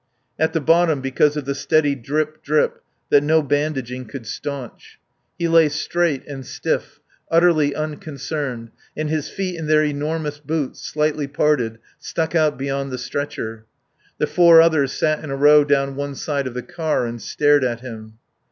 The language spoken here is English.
At the bottom because of the steady drip, drip, that no bandaging could staunch. He lay straight and stiff, utterly unconcerned, and his feet in their enormous boots, slightly parted, stuck out beyond the stretcher. The four others sat in a row down one side of the car and stared at him.